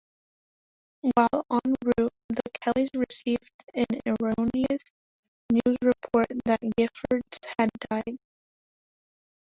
While en route, the Kellys received an erroneous news report that Giffords had died.